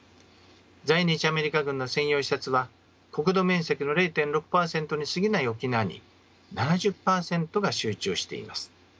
在日アメリカ軍の専用施設は国土面積の０．６％にすぎない沖縄に７０％が集中しています。